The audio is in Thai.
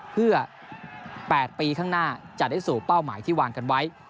เพื่อ๘ปีข้างหน้าจะได้สู่เป้าหมายที่วางกันไว้